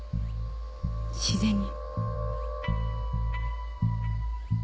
自然に。